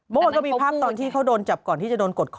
เมื่อวานก็มีภาพตอนที่เขาโดนจับก่อนที่จะโดนกดคอ